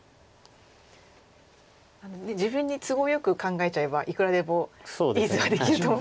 自分に都合よく考えちゃえばいくらでもいい図はできると思うんですけど。